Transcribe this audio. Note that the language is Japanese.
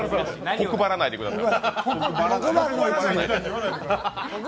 こくばらないでください。